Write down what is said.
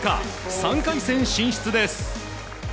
３回戦進出です。